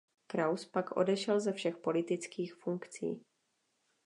Kraus pak odešel ze všech politických funkcí.